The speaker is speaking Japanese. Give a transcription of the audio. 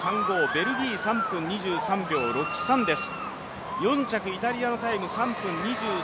ベルギー３分２３秒６３です。